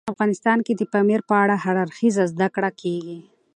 افغانستان کې د پامیر په اړه هر اړخیزه زده کړه کېږي.